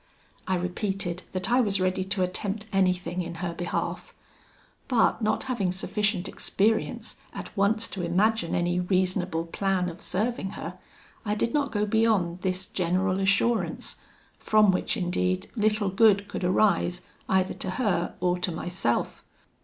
I repeated that I was ready to attempt anything in her behalf; but, not having sufficient experience at once to imagine any reasonable plan of serving her, I did not go beyond this general assurance, from which indeed little good could arise either to her or to myself.